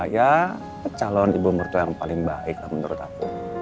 ya calon ibu mertua yang paling baik lah menurut aku